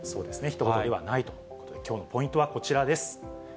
ひと事ではないということで、きょうのポイントはこちらです。